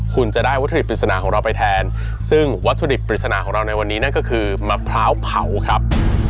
คุณจะได้วัตถุปริศนาของเราไปแทนซึ่งวัตถุดิบปริศนาของเราในวันนี้นั่นก็คือมะพร้าวเผาครับ